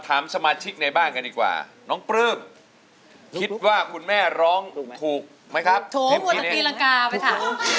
แถวนี้อยากเจอคนดีแถวนี้อยากเจอคนดีแถวนี้อยากเจอคนดีแถวนี้อยากเจอคนดีแถวนี้อยากเจอคนดี